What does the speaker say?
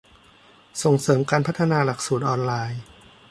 ส่งเสริมการพัฒนาหลักสูตรออนไลน์